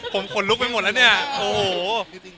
ผมขนลุกไปหมดนะเนี่ย